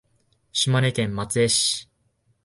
島根県松江市